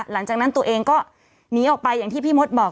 หลังจากนั้นตัวเองก็หนีออกไปอย่างที่พี่มดบอก